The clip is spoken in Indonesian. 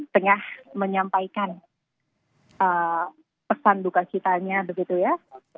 tengah menyampaikan pesan duka citanya begitu ya